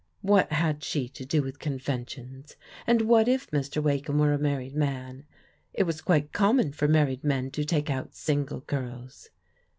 What had she to do with conventions? And what if Mr. Wake ham were a married man? It was quite common for married men to take out single girls.